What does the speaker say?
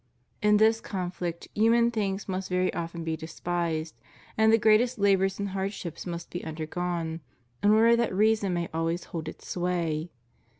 In this conflict human things must very often be despised, and the greatest labors and hard ships must be undergone, in order that reason may always hold its sway.